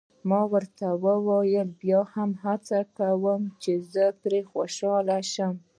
ما ورته وویل: بیا هم هڅه یې وکړه، چې زه پرې خوشحاله شم.